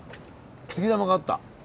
杉玉があった。